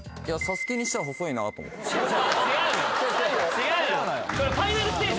違うよ